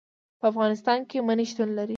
په افغانستان کې منی شتون لري.